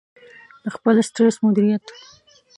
-د خپل سټرس مدیریت